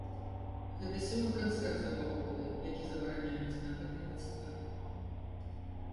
Гэта сёмы канцэрт за паўгода, які забараняюць на гэтай падставе.